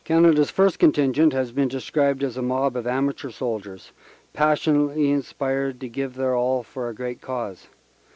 Canada s first contingent has been described as a mob of amateur soldiers passionately inspired to give their all for a great cause.